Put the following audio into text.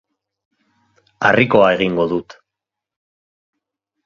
Harrikoa egingo dut.